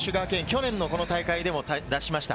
去年の、この大会でも出しました。